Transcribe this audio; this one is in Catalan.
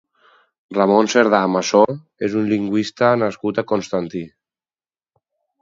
Ramon Cerdà Massó és un lingüista nascut a Constantí.